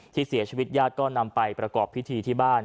ที่เสียชีวิตญาติก็นำไปประกอบพิธีที่บ้าน